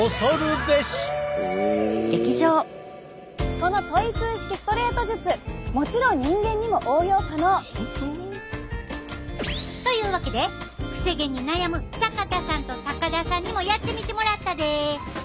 このトイプー式ストレート術もちろん人間にも応用可能！というわけでくせ毛に悩む坂田さんと高田さんにもやってみてもらったで。